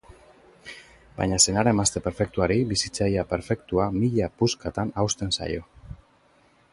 Baina senar-emazte perfektuari, bizitza ia perfektua mila puskatan hausten zaio.